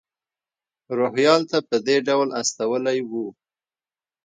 روهیال ته په دې ډول استولی و.